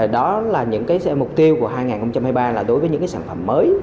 đó là những mục tiêu của hai nghìn hai mươi ba là đối với những sản phẩm mới